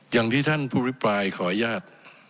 อย่างที่ท่านผู้ริปรายขอยาด